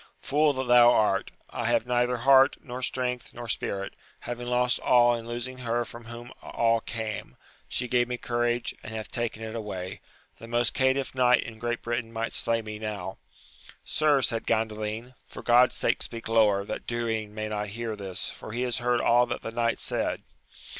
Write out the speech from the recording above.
— Fool that thou art ! I have neither heart, nor strength, nor spiiit ! having lost all in losing her from whom all came : she gave me courage, and hath taken it away : AMADIS OF GAUL, 271 the most caitiff knight in Great Britain might slay me now. Sir, said Gandalin, for God's sake speak lower, that Durin may not hear this, for he has heard all that the knight said.